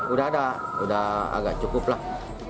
udah ada udah agak cukup lah